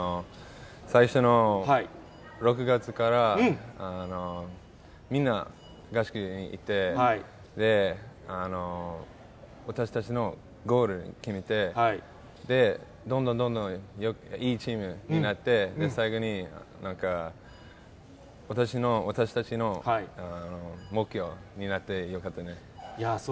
最初の６月から、みんな合宿に行って、私たちのゴール決めて、で、どんどんどんどんいいチームになって、最後に私の、私たちの目標になって、よかったんじゃないかと。